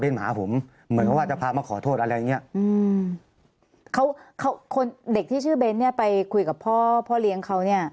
เด็กที่ชื่อเบ้นท์ไปคุยกับพ่อเลี้ยงเขา